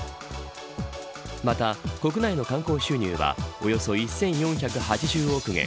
また、国内の観光収入はおよそ１４８０億元。